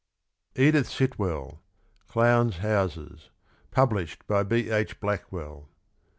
Edith Sitwell. CLOWN'S HOUSES. Published by B. H. Blackwell.